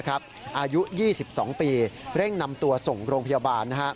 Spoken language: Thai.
อายุ๒๒ปีเร่งนำตัวส่งโรงพยาบาล